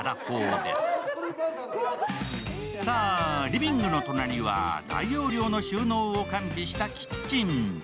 リビングの隣は大容量の収納を完備したキッチン。